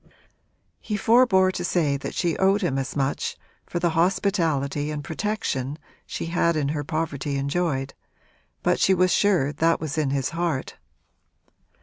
He forbore to say that she owed him as much for the hospitality and protection she had in her poverty enjoyed, but she was sure that was in his heart.